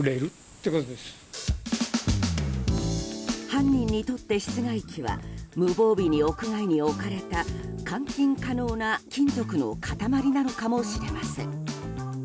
犯人にとって室外機は無防備に屋外に置かれた換金可能な金属の塊なのかもしれません。